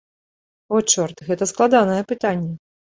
О, чорт, гэта складанае пытанне.